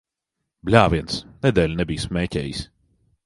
Bļāviens! Nedēļu nebiju smēķējis.